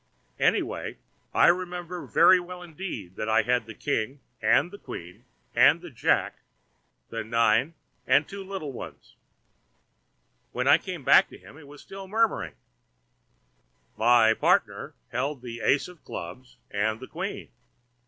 Anyway, I remember very well indeed that I had the king and the queen and the jack, the nine, and two little ones." "Half a second," I said, "I want to mail a letter." When I came back to him, he was still murmuring: "My partner held the ace of clubs and the queen.